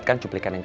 ok aku pelnunceng